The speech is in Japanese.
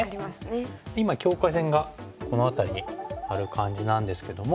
今境界線がこの辺りにある感じなんですけども。